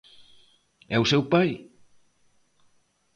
E o seu pai?